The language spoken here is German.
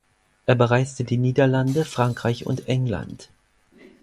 Er bereiste die Niederlande, Frankreich und England.